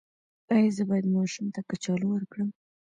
ایا زه باید ماشوم ته کچالو ورکړم؟